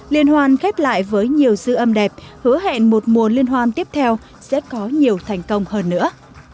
liên hoan khép lại với nhiều dư âm đẹp hứa hẹn một mùa liên hoan tiếp theo sẽ có nhiều thành công hơn nữa